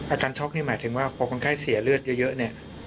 ช็อกนี่หมายถึงว่าพอคนไข้เสียเลือดเยอะเนี่ย